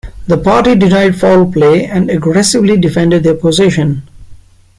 The party denied foul play and aggressively defended their position.